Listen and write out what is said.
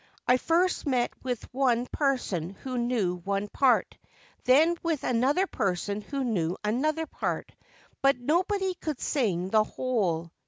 I first met with one person who knew one part, then with another person who knew another part, but nobody could sing the whole.